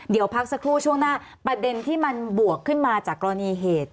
เดี๋ยวพักสักครู่ช่วงหน้าประเด็นที่มันบวกขึ้นมาจากกรณีเหตุ